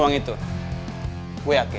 uang itu bisa dikumpulin sama ada ada